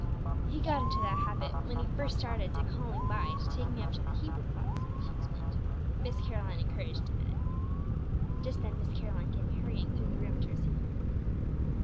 "He got into that habit when he first started to calling by to take me up to the Hebrew class," she explained. "Miss Caroline encouraged him in it." Just then Miss Caroline came hurrying through the room to receive him.